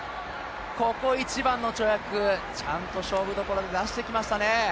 ここ一番の跳躍、ちゃんと勝負どころで出してきましたね。